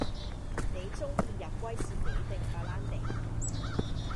你鐘意飲威士忌定白蘭地？